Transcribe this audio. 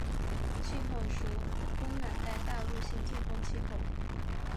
气候属暖温带大陆性季风气候。